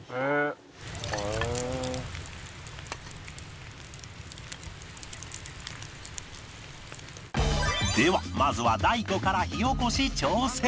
「へえではまずは大悟から火おこし挑戦